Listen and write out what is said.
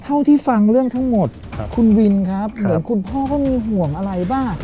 เท่าที่ฟังเรื่องทั้งหมดคุณวินครับเหมือนคุณพ่อก็มีห่วงอะไรบ้าง